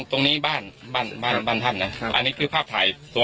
ตรงนี้บ้านบ้านท่านนะอันนี้คือภาพถ่ายตัว